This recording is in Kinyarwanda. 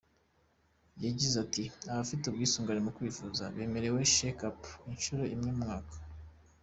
Yagize ati “Abafite ubwisungane mu kwivuza bemerewe ‘check up’ inshuro imwe mu mwaka.